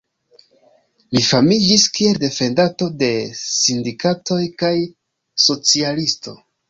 Li famiĝis kiel defendanto de sindikatoj kaj socialisto.